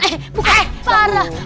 eh bu rt paranti